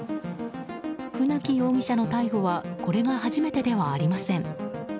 船木容疑者の逮捕はこれが初めてではありません。